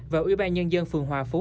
và ủy ban nhân dân phường hòa phú